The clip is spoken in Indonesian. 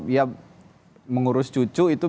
ya mengurus cucu itu